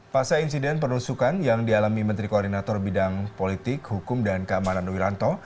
pasca insiden penusukan yang dialami menteri koordinator bidang politik hukum dan keamanan wiranto